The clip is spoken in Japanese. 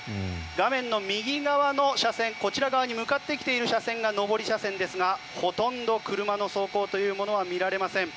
画面の右側の車線こちら側に向かってきている車線が上り車線ですがほとんど車の走行というのは見られません。